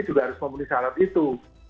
juga harus membeli saran itu